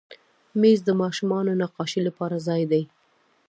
مېز د ماشومانو نقاشۍ لپاره ځای دی.